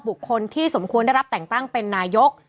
บุคคลที่สมควรได้รับแต่งตั้งเป็นนายก